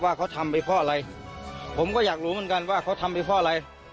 ว่าเขาทำไปเพราะอะไรผมก็อยากรู้เหมือนกันว่าเขาทำไปเพราะอะไร